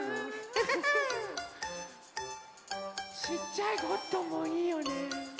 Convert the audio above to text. ちっちゃいゴットンもいいよね。